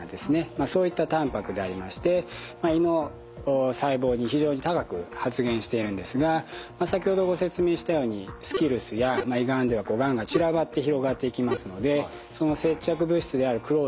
そういったたんぱくでありまして胃の細胞に非常に高く発現しているんですが先ほどご説明したようにスキルスや胃がんではがんが散らばって広がっていきますのでその接着物質であるクローディンがですね